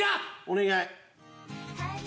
お願い！